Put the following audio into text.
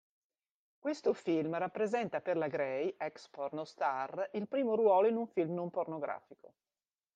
Questo film rappresenta per la Grey, ex-pornostar, il primo ruolo in un film non-pornografico.